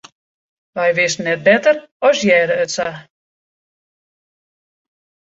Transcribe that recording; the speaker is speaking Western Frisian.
Wy wisten net better as it hearde sa.